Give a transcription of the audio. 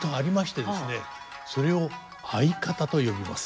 それを合方と呼びます。